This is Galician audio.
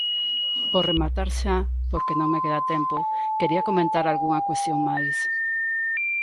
Por rematar xa, porque non me queda tempo, quería comentar algunha cuestión máis.